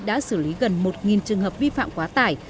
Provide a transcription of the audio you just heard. đã xử lý gần một trường hợp vi phạm quá tải